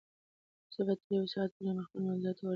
زه به تر یو ساعت پورې خپل منزل ته ورسېږم.